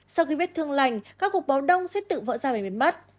sau khi viết thương lành các cuộc báo đông sẽ tự vỡ ra về bên mắt